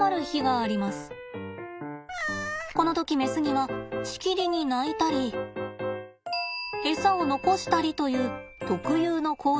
この時メスにはしきりに鳴いたりエサを残したりという特有の行動が見られます。